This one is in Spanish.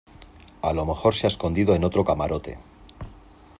a lo mejor se ha escondido en otro camarote.